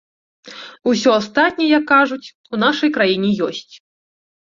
Усё астатняе, як кажуць, у нашай краіне ёсць.